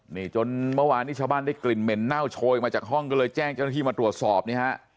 นี่จนเมื่อวานนี้ชาวบ้านได้กลิ่นเหม็นเน่าโชยออกมาจากห้องก็เลยแจ้งเจ้าหน้าที่มาตรวจสอบเนี่ยฮะ